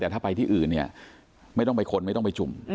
แต่ถ้าไปที่อื่นเนี่ยไม่ต้องไปค้นไม่ต้องไปจุ่ม